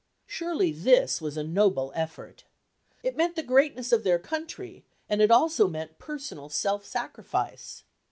Surely this was a noble effort. It meant the greatness of their country, and it meant also personal self sacrifice.